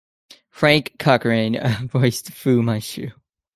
Frank Cochrane voiced Fu Manchu.